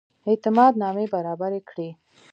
اعتماد نامې برابري کړي.